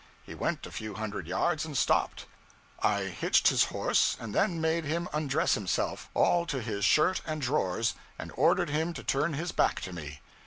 He went a few hundred yards and stopped. I hitched his horse, and then made him undress himself, all to his shirt and drawers, and ordered him to turn his back to me.